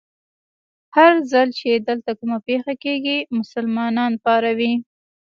هر ځل چې دلته کومه پېښه کېږي، مسلمانان پاروي.